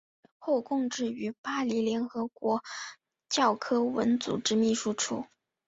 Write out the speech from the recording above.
后供职于巴黎联合国教科文组织秘书处。